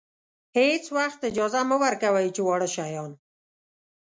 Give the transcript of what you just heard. هېڅ وخت اجازه مه ورکوئ چې واړه شیان.